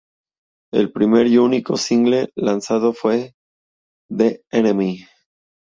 El primer y único single lanzado fue "The Enemy".